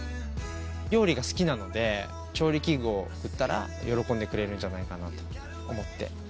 料理が好きなので調理器具を贈ったら喜んでくれるんじゃないかなと思って。